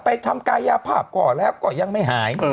ทำกายภาพก่อนแล้วก็ยังไม่หาย